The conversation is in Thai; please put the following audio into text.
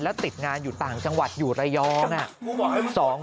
แล้วติดงานอยู่ต่างจังหวัดอยู่ระยอง